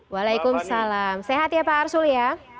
waalaikumsalam sehat ya pak arsul ya